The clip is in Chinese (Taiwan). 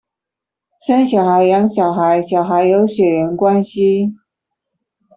生小孩、養小孩、小孩有血緣關係